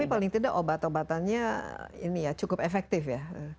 tapi paling tidak obat obatannya ini ya cukup efektif ya